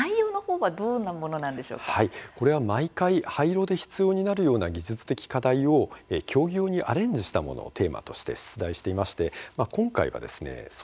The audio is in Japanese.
はいこれは毎回廃炉で必要になるような技術的課題を競技用にアレンジしたものをテーマとして出題していまして今回はですね